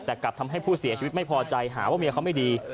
แต่กลับทำให้ผู้เสียชีวิตไม่พอใจหาว่าเมียเขาไม่ดี